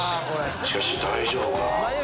しかし大丈夫かな？